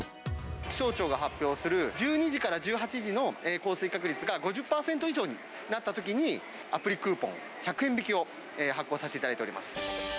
気象庁が発表する、１２時から１８時の降水確率が５０％以上になったときに、アプリクーポン１００円引きを発行させていただいております。